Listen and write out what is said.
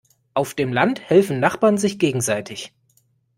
Auf dem Land helfen Nachbarn sich gegenseitig.